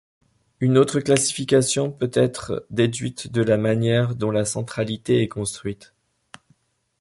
Une autre classification peut être déduite de la manière dont la centralité est construite.